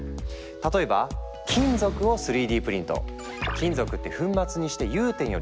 例えば金属を３Ｄプリント！